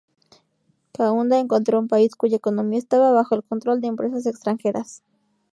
Kaunda encontró un país cuya economía estaba bajo el control de empresas extranjeras.